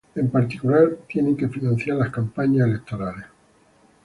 En particular, tienen que financiar las campañas electorales.